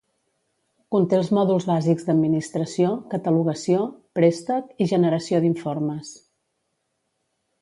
Conté els mòduls bàsics d'administració, catalogació, préstec i generació d'informes.